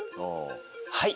はい。